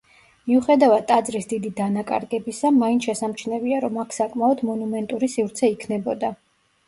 მიუხედავად ტაძრის დიდი დანაკარგებისა მაინც შესამჩნევია, რომ აქ საკმაოდ მონუმენტური სივრცე იქნებოდა.